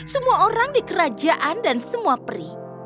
semua orang di kerajaan dan semua peri